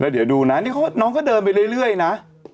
เดี๋ยวดูนะนี่น้องก็เดินไปเรื่อยนะ